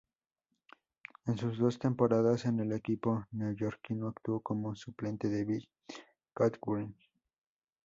En sus dos temporadas en el equipo neoyorquino actuó como suplente de Bill Cartwright.